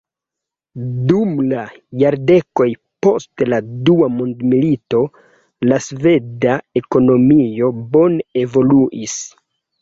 Dum la jardekoj post la dua mondmilito la sveda ekonomio bone evoluis.